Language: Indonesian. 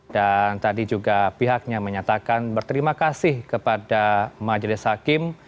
dan tadi juga pihaknya menyatakan berterima kasih kepada majelis hakim